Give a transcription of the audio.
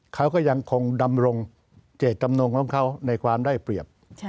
เขาก็ยังคงดำรงเจตจำนงของเขาในความได้เปรียบ